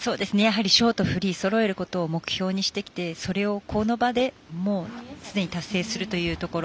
ショート、フリーそろえることを目標にしてきてそれをこの場でもうすでに達成するというところ。